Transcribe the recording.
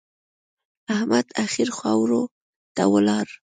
احمد اخير خاورو ته ولاړ.